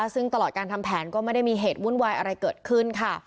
ซึ่งตลอดการทำแผนก็ไม่ได้มีเหตุวุ่นวายอะไรเกิดขึ้นค่ะ